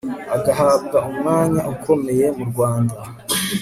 agahabwa umwanya ukomeye mu rwanda